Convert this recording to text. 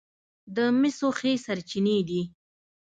د مسو ښې سرچینې دي.